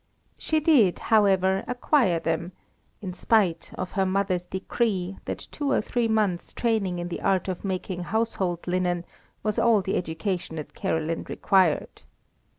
She did, however, acquire them, in spite of her mother's decree that two or three months' training in the art of making household linen was all the education that Caroline required.